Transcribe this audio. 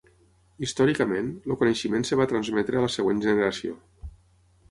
Històricament, el coneixement es va transmetre a la següent generació.